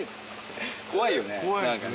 怖いよね。